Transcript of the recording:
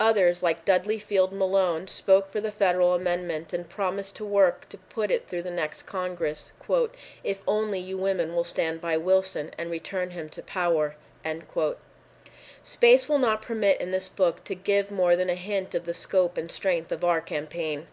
Others, like Dudley Field Malone, spoke for the federal amendment, and promised to work to put it through the next Congress, "if only you women will stand by Wilson and return him to power." Space will not permit in this book to give more than a hint of the scope and strength of our campaign.